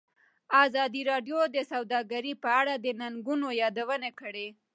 ازادي راډیو د سوداګري په اړه د ننګونو یادونه کړې.